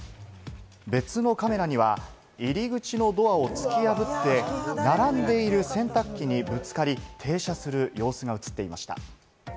別のカメラには入り口のドアを突き破って、並んでいる洗濯機にぶつかり、停車する様子が映っていました。